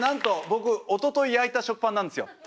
僕おととい焼いた食パンなんですよ。